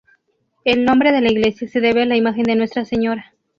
El nombre de la iglesia se debe a la imagen de Nuestra Sra.